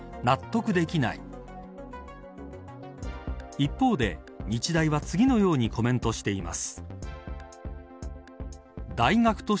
一方で日大は次のようにコメントしています。